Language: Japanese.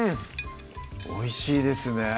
おいしいですね